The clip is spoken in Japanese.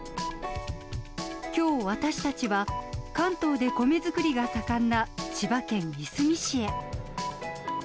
きょう、私たちは、関東で米作りが盛んな千葉県いすみ市へ。